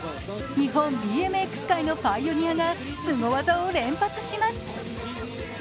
日本ＢＭＸ界のパイオニアがすご技を連発します。